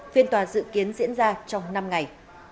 phiên tòa dự kiến diễn ra trong năm ngày